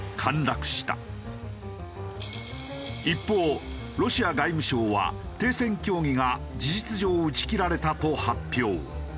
一方ロシア外務省は停戦協議が事実上打ち切られたと発表。